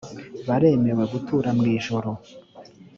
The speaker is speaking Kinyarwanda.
baremewe gutura mu ijuru